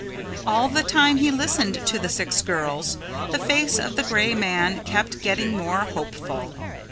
All the time he listened to the six girls the face of the Gray Man kept getting more hopeful.